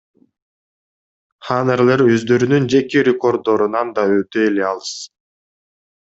Ханерлер өздөрүнүн жеке рекорддорунан да өтө эле алыс.